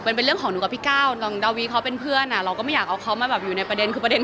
มันเป็นเรื่องของการนำเนื้อพี่เก้าร์ราวีเป็นเพื่อน